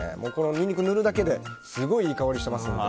ニンニク塗るだけですごいいい香りしてますので。